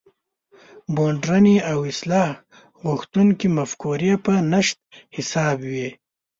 مډرنې او اصلاح غوښتونکې مفکورې په نشت حساب وې.